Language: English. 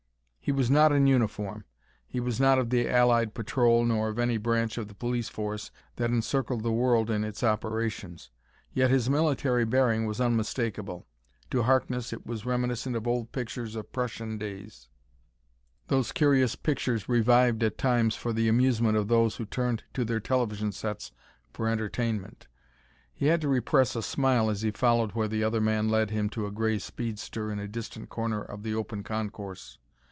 He was not in uniform. He was not of the Allied Patrol nor of any branch of the police force that encircled the world in its operations. Yet his military bearing was unmistakable. To Harkness it was reminiscent of old pictures of Prussian days those curious pictures revived at times for the amusement of those who turned to their television sets for entertainment. He had to repress a smile as he followed where the other led him to a gray speedster in a distant corner of the open concourse.